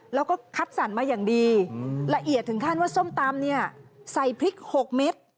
แล้วก็คัดสรรมาอย่างดีละเอียดถึงขั้นว่าส้มตำเนี่ยใส่พริก๖เม็ด